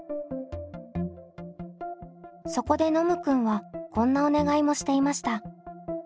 そこでノムくんはこんなお願いもしていました。